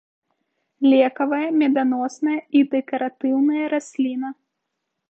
Лекавая, меданосная і дэкаратыўная расліна.